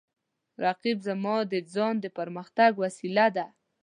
رقیب زما د ځان د پرمختګ وسیله ده